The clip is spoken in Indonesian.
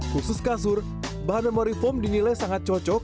khusus kasur bahan memori foam dinilai sangat cocok